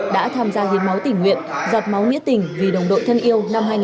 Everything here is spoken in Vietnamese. đã tham gia hiến máu tình nguyện giọt máu nghĩa tình vì đồng đội thân yêu năm hai nghìn hai mươi